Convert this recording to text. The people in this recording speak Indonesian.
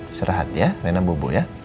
istirahat ya rena bobo ya